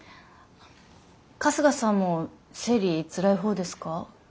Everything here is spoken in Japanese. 春日さんも生理つらい方ですか？